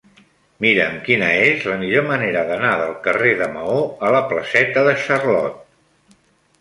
Mira'm quina és la millor manera d'anar del carrer de Maó a la placeta de Charlot.